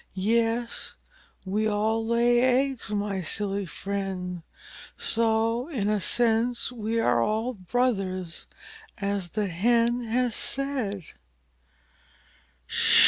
Yes, we all lay eggs, my silly friend, and so in a sense we are all brothers, as the Hen has said."